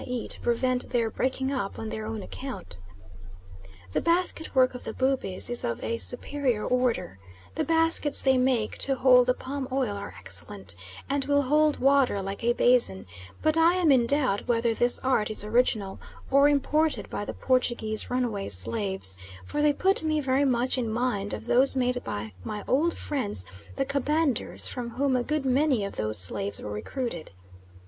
e. to prevent their breaking up on their own account. The basket work of the Bubis is of a superior order: the baskets they make to hold the palm oil are excellent, and will hold water like a basin, but I am in doubt whether this art is original, or imported by the Portuguese runaway slaves, for they put me very much in mind of those made by my old friends the Kabinders, from whom a good many of those slaves were recruited.